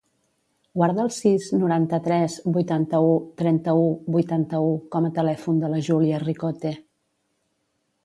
Guarda el sis, noranta-tres, vuitanta-u, trenta-u, vuitanta-u com a telèfon de la Júlia Ricote.